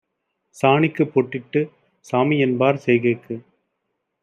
சாணிக்குப் பொட்டிட்டுச் சாமிஎன்பார் செய்கைக்கு